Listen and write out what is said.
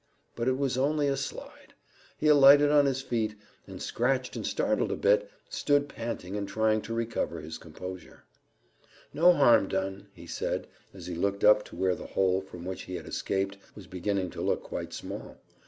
But it was only a slide. He alighted on his feet, and, scratched and startled a bit, stood panting and trying to recover his composure. "No harm done," he said, as he looked up to where the hole from which he had escaped was beginning to look quite small.